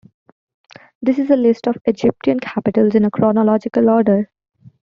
This is a list of Egyptian capitals in a chronological order.